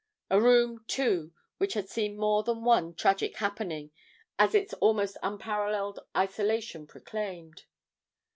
A room, too, which had seen more than one tragic happening, as its almost unparalleled isolation proclaimed.